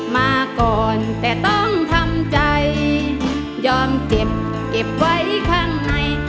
มาก่อนแต่ต้องทำใจยอมเจ็บเก็บไว้ข้างใน